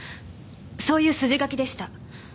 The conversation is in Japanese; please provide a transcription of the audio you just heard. そういう筋書きでした。